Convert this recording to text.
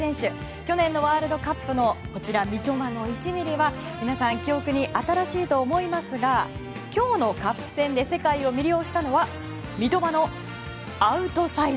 去年のワールドカップの三笘の１ｍｍは皆さん、記憶に新しいと思いますが今日のカップ戦で世界を魅了したのは三笘のアウトサイド。